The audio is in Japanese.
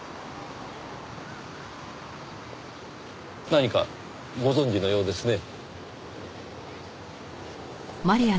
何かご存じのようですね。